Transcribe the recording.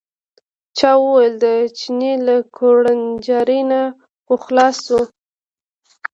پاچا وویل د چیني له کوړنجاري نه خو خلاص شو.